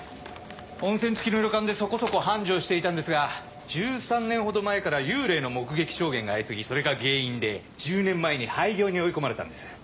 温泉付きの旅館でそこそこ繁盛していたんですが１３年ほど前から幽霊の目撃証言が相次ぎそれが原因で１０年前に廃業に追い込まれたんです。